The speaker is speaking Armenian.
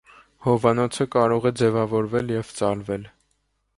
Հովանոցը կարող է ձևավորվել և ծալվել։